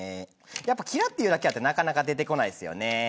やっぱ、キラっていうだけあってなかなか出てこないですよね。